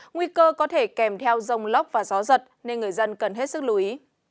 nguy cơ có thể kèm theo rông lốc và gió giật nên người dân cần hết sức lưu ý